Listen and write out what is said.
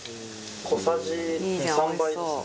小さじ２３杯ですね。